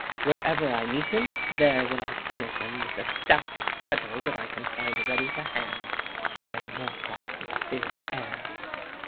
"Wherever I meet him, there will I punish him with the stoutest cudgel that I can find ready to hand," cried Morcar, with a fierce air.